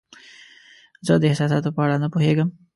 زه د احساساتو په اړه نه پوهیږم.